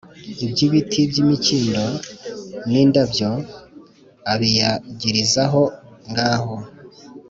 iby ibiti by imikindo n indabyo abiyagirizahongaho